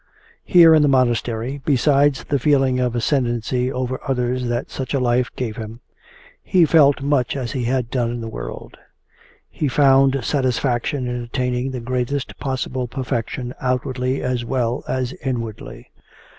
Here in the monastery, besides the feeling of ascendency over others that such a life gave him, he felt much as he had done in the world: he found satisfaction in attaining the greatest possible perfection outwardly as well as inwardly.